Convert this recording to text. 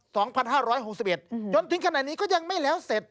สองพันห้าร้อยหกสิบเอ็ดอืมจนถึงขณะนี้ก็ยังไม่แล้วเสร็จ